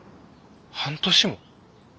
半年も？